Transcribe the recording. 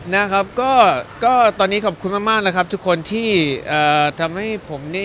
นะครับก็ตอนนี้ขอบคุณมากนะครับทุกคนที่ทำให้ผมนี่